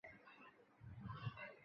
光照治疗为光源的治疗方式。